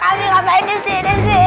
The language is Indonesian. kami ngapain disini